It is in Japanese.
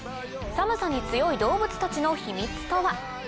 寒さに強い動物たちの秘密とは？